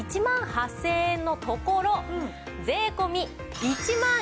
１万８０００円のところ税込１万１８００円。